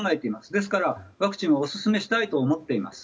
ですから、ワクチンはオススメしたいと思っています。